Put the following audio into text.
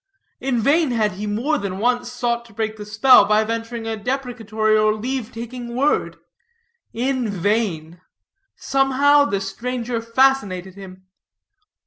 In vain had he more than once sought to break the spell by venturing a deprecatory or leave taking word. In vain. Somehow, the stranger fascinated him.